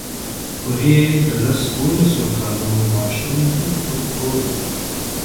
هورې د لس دولسو کالو ماشوم ټوک ټوک پروت و.